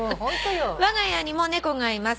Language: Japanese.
「わが家にも猫がいます」